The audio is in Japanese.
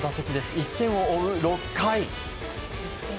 １点を追う６回。